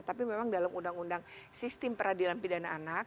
tapi memang dalam undang undang sistem peradilan pidana anak